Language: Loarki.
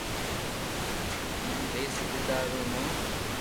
ھين وئي صوبيدار رو نو ر